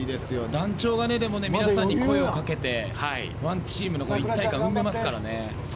団長が皆さんに声をかけてワンチームの一体感生んでますからね。